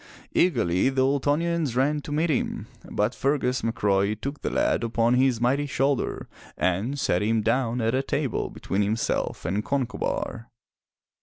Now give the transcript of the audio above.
Eagerly the Ultonians ran to meet him, but Fergus McRoy took the lad upon his mighty shoulder and set him down at table between himself and Concobar.